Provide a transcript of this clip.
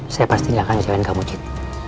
saya pasti gak akan ngejalanin kamu cid